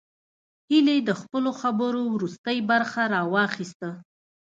هيلې د خپلو خبرو وروستۍ برخه راواخيسته